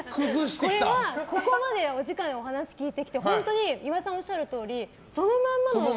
これは、ここまでお話を聞いてきて本当に岩井さんがおっしゃるとおりそのまんまの。